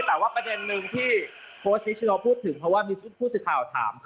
แต่ว่าประเด็นนึงที่โพสต์นิชโนพูดถึงเพราะว่ามีผู้สื่อข่าวถาม